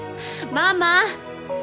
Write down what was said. ママ！